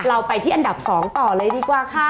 เราไปที่อันดับ๒ต่อเลยดีกว่าค่ะ